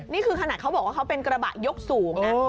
นี่คือขนาดเขาบอกว่าเขาเป็นกระบะยกสูงนะ